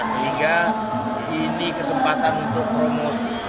sehingga ini kesempatan untuk promosi